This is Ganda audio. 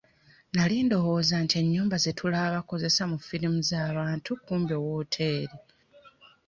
Nali ndowooza nti ennyumba ze tulaba bakozesa mu firimu za bantu kumbe wooteri.